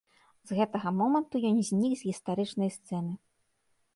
З гэтага моманту ён знік з гістарычнай сцэны.